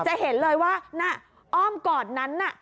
จะเห็นเลยว่าอ้อมกอดนั้น